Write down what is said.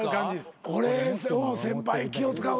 俺先輩気を使う。